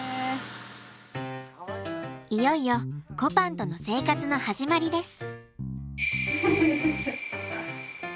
いよいよこぱんとの生活の始まりです。